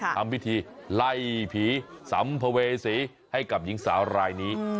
ทำพิธีไล่ผีสัมภเวษีให้กับหญิงสาวรายนี้